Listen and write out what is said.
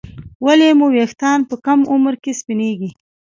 ولې مو ویښتان په کم عمر کې سپینېږي